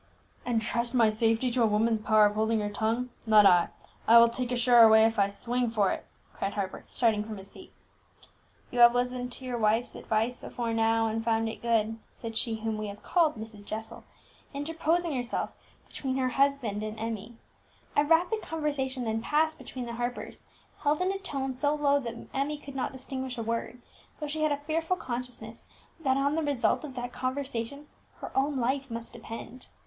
"And trust my safety to a woman's power of holding her tongue! Not I; I will take a surer way, if I swing for it!" cried Harper, starting from his seat. "You have listened to your wife's advice before now, and found it good," said she whom we have called Mrs. Jessel, interposing herself between her husband and Emmie. A rapid conversation then passed between the Harpers, held in a tone so low that Emmie could not distinguish a word, though she had a fearful consciousness that on the result of that conversation her own life must depend.